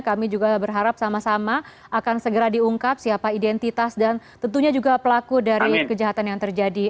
kami juga berharap sama sama akan segera diungkap siapa identitas dan tentunya juga pelaku dari kejahatan yang terjadi